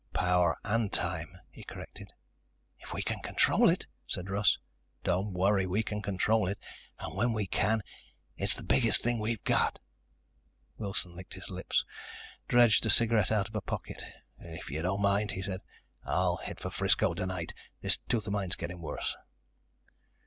"Power and time," he corrected. "If we can control it," said Russ. "Don't worry. We can control it. And when we can, it's the biggest thing we've got." Wilson licked his lips, dredged a cigarette out of a pocket. "If you don't mind," he said, "I'll hit for Frisco tonight. This tooth of mine is getting worse."